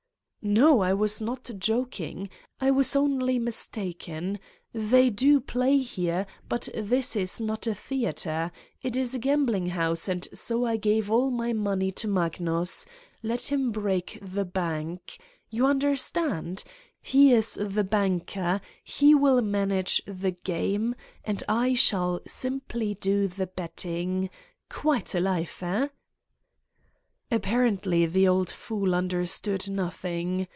'' "No, I was not joking. I was only mistaken. They do play here but this is not a theater. It is a gambling house and so I gave all my money to Magnus: let him break the bank. You under stand! He is the banker, he will manage the game and I shall simply do the betting. ... Quite a life, eh?" Apparently the old fool understood nothing.